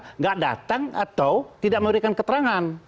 tidak datang atau tidak memberikan keterangan